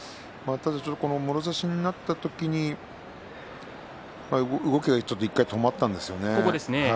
もろ差しになった時に動きが１回、止まったんですね。